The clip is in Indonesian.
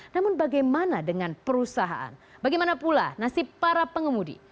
namun bagaimana dengan perusahaan bagaimana pula nasib para pengemudi